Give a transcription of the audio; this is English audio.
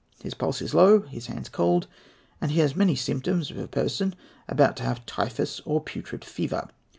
His pulse is low, his hands cold, and he has many symptoms of a person about to have typhus or putrid fever.